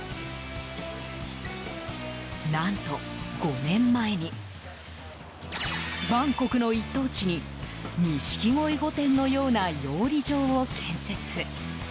何と５年前にバンコクの一等地にニシキゴイ御殿のような養鯉場を建設。